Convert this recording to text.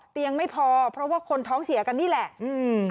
ไม่พอเพราะว่าคนท้องเสียกันนี่แหละ